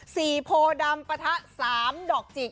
สีโพดำปะทะ๓ดอกจิก